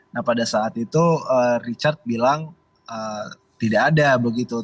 nah pada saat itu richard bilang tidak ada begitu